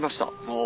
お。